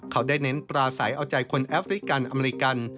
เขาได้เน้นปราศัยเอาใจคนแอฟริกันอเมริกัน